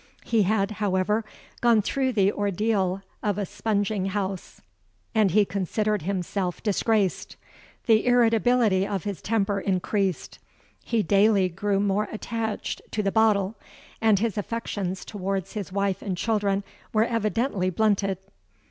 He had, however, gone through the ordeal of a spunging house, and he considered himself disgraced; the irritability of his temper increased—he daily grew more attached to the bottle—and his affections towards his wife and children were evidently blunted.